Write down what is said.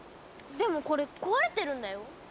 でもこれ壊れてるんだよ。